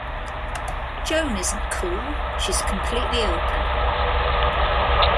Joan isn't cool-she's completely open.